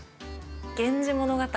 「源氏物語」？